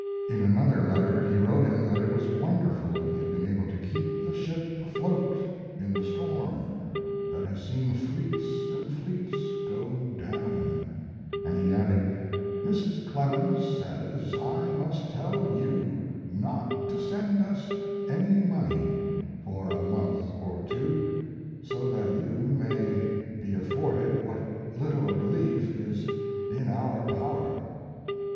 In another letter he wrote him that it was wonderful he had been able to "keep the ship afloat in the storm that has seen fleets and fleets go down"; and he added: "Mrs. Clemens says I must tell you not to send us any money for a month or two, so that you may be afforded what little relief is in our power."